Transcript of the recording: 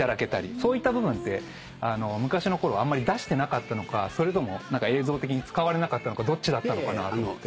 そういった部分って昔のころあんまり出してなかったのかそれとも映像的に使われなかったのかどっちだったのかな？と思って。